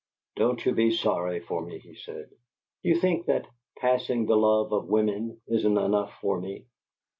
"Don't you be sorry for me," he said. "Do you think that 'passing the love of women' isn't enough for me?"